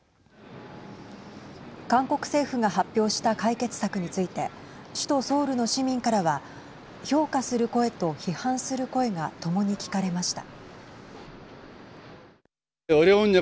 韓国政府が発表した解決策について首都ソウルの市民からは評価する声と批判する声がともに聞かれました。